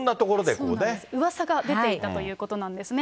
そうなんです、うわさが出ていたということなんですね。